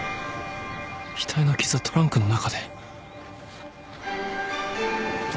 額の傷はトランクの中で。